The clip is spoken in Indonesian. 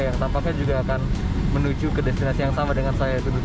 yang tampaknya juga akan menuju ke destinasi yang sama dengan saya